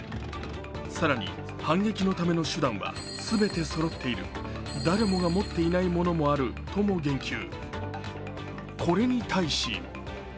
更に、反撃のための手段は全てそろっている、誰もが持っていないものもあるとも言及。